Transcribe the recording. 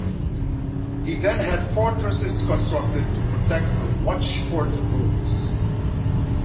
He then had fortresses constructed to protect the Rochefort roads.